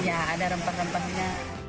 ya ada rempah rempahnya